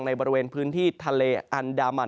บริเวณพื้นที่ทะเลอันดามัน